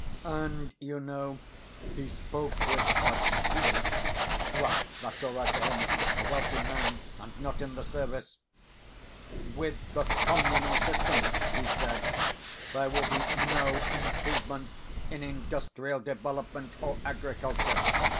And, you know, he spoke with such heat; well, that's all right for him a wealthy man, and not in the service. 'With the communal system,' he said, 'there will be no improvement in industrial development or agriculture.